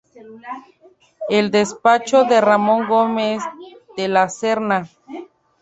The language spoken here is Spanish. El despacho de Ramón Gómez de la Serna.